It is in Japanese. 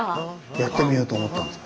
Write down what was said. やってみようと思ったんですか？